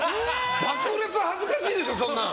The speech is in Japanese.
爆裂恥ずかしいでしょそんなん！